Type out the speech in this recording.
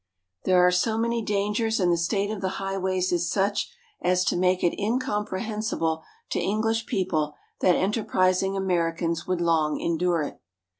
There are so many dangers and the state of the highways is such as to make it incomprehensible to English people that enterprising Americans would long endure it."